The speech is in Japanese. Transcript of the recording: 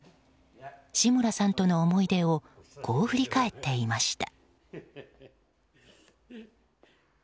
志村さんとの思い出をこう振り返っていました。